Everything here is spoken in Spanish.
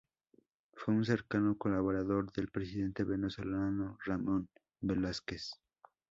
Fue un cercano colaborador del presidente venezolano Ramón J. Velásquez.